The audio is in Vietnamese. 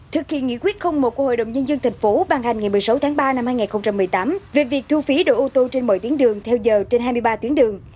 thực hiện nghị quyết một của hội đồng nhân dân thành phố bàn hành ngày một mươi sáu tháng ba năm hai nghìn một mươi tám về việc thu phí đỗ ô tô trên mỗi tuyến đường theo giờ trên hai mươi ba tuyến đường